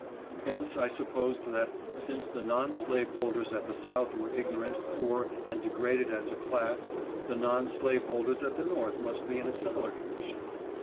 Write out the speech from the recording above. Hence I supposed that, since the non slave holders at the South were ignorant, poor, and degraded as a class, the non slave holders at the North must be in a similar condition.